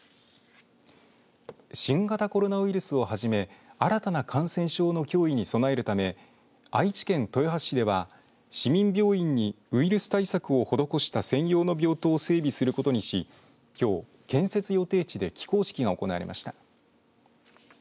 新型コロナウイルスをはじめ新たな感染症の脅威に備えるため愛知県豊橋市では市民病院にウイルス対策を施した専用の病棟を整備することにし、きょう建設予定地で起工式が行われました。